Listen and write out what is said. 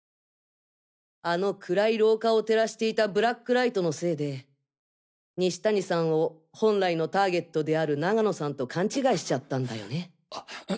あの暗い廊下を照らしていたブラックライトのせいで西谷さんを本来のターゲットである永野さんとカン違いしちゃったんだよね？